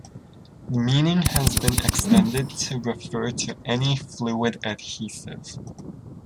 The meaning has been extended to refer to any fluid adhesive.